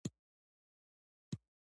آیا موږ حساب ورکوو؟